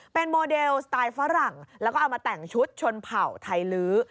เป็นโมเดลสไตล์ฝรั่งแล้วก็เอามาแต่งชุดชนเผ่าไทยลื้อ